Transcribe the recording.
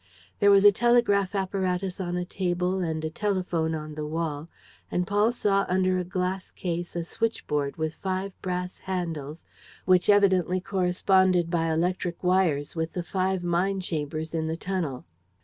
There was a telegraph apparatus on a table and a telephone on the wall; and Paul saw under a glass case a switch board with five brass handles, which evidently corresponded by electric wires with the five mine chambers in the tunnel.